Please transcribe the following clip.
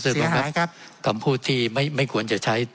ถอนนะครับประเศษภงครับกรรมผู้ที่ไม่ควรจะใช้